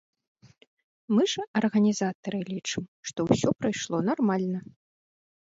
Мы ж, арганізатары, лічым, што ўсё прайшло нармальна.